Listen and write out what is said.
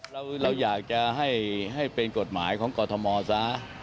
เราอยากจะให้เป็นกฎหมายของกรทมซะ